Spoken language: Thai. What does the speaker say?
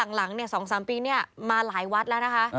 หลัง๒๓ปีมาหลายวัดแล้วนะคะ